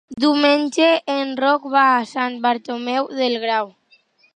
Diumenge en Roc va a Sant Bartomeu del Grau.